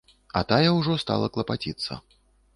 А тая ўжо стала клапаціцца.